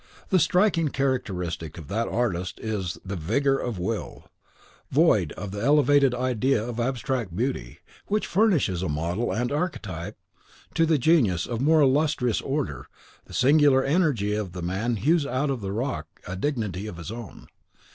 The striking characteristic of that artist is the "Vigour of Will;" void of the elevated idea of abstract beauty, which furnishes a model and archetype to the genius of more illustrious order, the singular energy of the man hews out of the rock a dignity of his own.